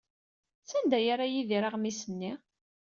Sanda ay yerra Yidir aɣmis-nni?